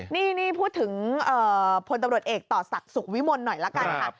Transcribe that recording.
นี่พูดถึงพลตำรวจเอกต่อศักดิ์สุขวิมลหน่อยละกันค่ะ